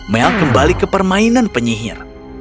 mel kembali ke permainan penyihir